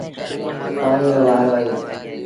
پآڻيٚ رو وآرو اهي۔